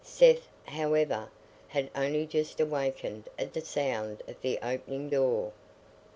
Seth, however, had only just awakened at the sound of the opening door.